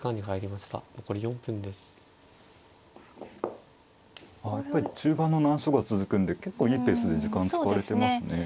まあやっぱり中盤の難所が続くんで結構いいペースで時間使われてますね。